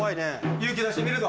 勇気出して見るぞ。